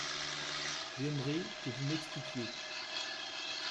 J’aimerais que vous m’expliquiez.